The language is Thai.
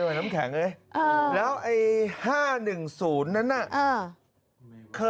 แล้วไอ้๕๑๐นั้นเคยเปิดให้คนใช้ไหม